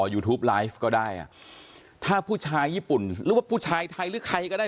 ยูทูปไลฟ์ก็ได้อ่ะถ้าผู้ชายญี่ปุ่นหรือว่าผู้ชายไทยหรือใครก็ได้